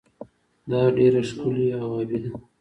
دا ډیره ښکلې او ابي ده.